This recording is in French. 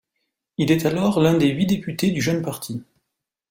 Il est alors l'un des huit députés du jeune parti.